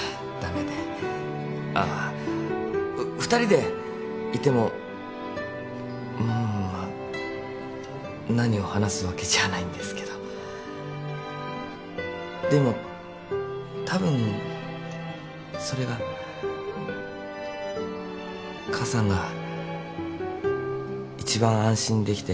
あっ２人でいてもまあ何を話すわけじゃないんですけどでもたぶんそれが母さんが一番安心できて幸せな場所だと思うんです。